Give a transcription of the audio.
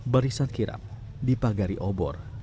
barisan kirap dipagari obor